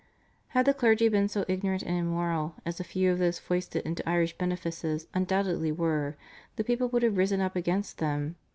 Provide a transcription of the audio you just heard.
Had the clergy been so ignorant and immoral, as a few of those foisted into Irish benefices undoubtedly were, the people would have risen up against them.